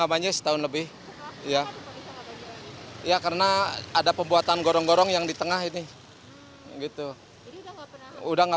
banyak setahun lebih ya ya karena ada pembuatan gorong gorong yang di tengah ini gitu udah nggak